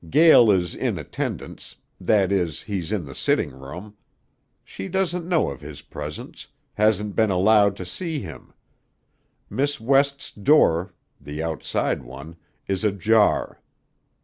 Gael is in attendance; that is, he's in the sitting room. She doesn't know of his presence, hasn't been allowed to see him. Miss West's door the outside one is ajar.